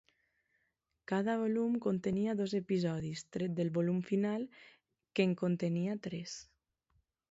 Cada volum contenia dos episodis, tret del volum final, que en contenia tres.